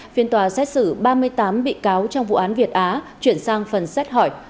phiên tòa xét xử ba mươi tám bị cáo trong vụ án việt á chuyển sang phần xét hỏi